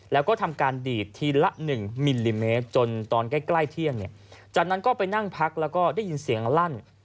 แล้วก็ทำการดีดทีละ๑มิลลิเมตรจนตอนใกล้เที่ยงจากนั้นก็ไปนั่งพักแล้วก็ได้ยินเสียงลั่น